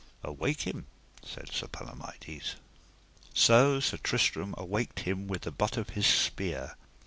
Awake him, said Sir Palomides. So Sir Tristram awaked him with the butt of his spear.